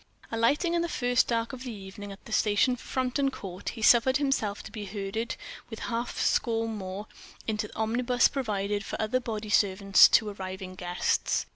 Alighting in the first dark of evening at the station for Frampton Court, he suffered himself to be herded, with a half score more, into the omnibus provided for other bodyservants to arriving guests.